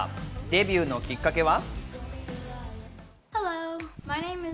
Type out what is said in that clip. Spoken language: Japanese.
デビューのきっかけは？